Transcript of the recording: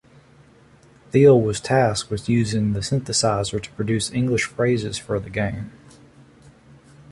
Thiel was tasked with using the synthesizer to produce English phrases for the game.